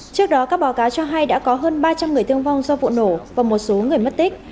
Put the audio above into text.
trước đó các báo cáo cho hay đã có hơn ba trăm linh người thương vong do vụ nổ và một số người mất tích